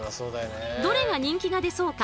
どれが人気が出そうか